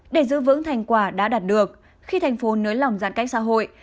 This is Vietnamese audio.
để giữ vững thành quả đã đạt được khi thành phố nới lỏng giãn cách xã hội